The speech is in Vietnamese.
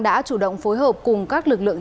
đã chủ động phối hợp cùng các lực lượng